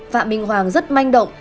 phạm minh hoàng rất manh động